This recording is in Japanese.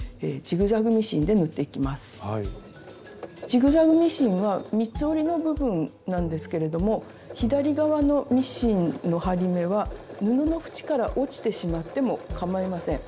ジグザグミシンは三つ折りの部分なんですけれども左側のミシンの針目は布の縁から落ちてしまってもかまいません。